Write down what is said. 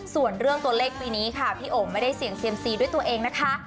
ส่วนเรื่องตัวเลขปีนี้ค่ะพี่โอ่งไม่ได้เสี่ยงเซียมซีด้วยตัวเองนะคะ